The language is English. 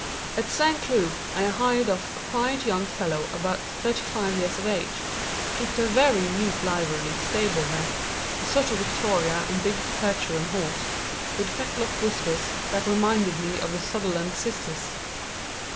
At San Cloo I hired of a quiet young fellow about thirty five years of age, who kept a very neat livery stable there, a sort of victoria and a big Percheron horse, with fetlock whiskers that reminded me of the Sutherland sisters.